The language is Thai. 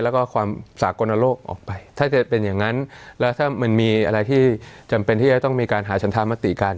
แล้วก็ความสากลโลกออกไปถ้าจะเป็นอย่างนั้นแล้วถ้ามันมีอะไรที่จำเป็นที่จะต้องมีการหาฉันธรรมติกัน